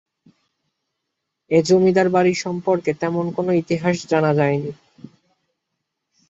এই জমিদার বাড়ি সম্পর্কে তেমন কোনো ইতিহাস জানা যায়নি।